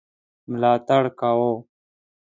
ملاتړ کاوه.